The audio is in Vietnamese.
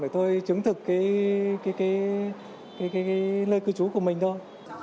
để tôi chứng thực cái nơi cư trú của mình thôi